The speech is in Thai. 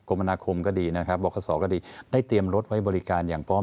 มนาคมก็ดีนะครับบรคศก็ดีได้เตรียมรถไว้บริการอย่างพร้อม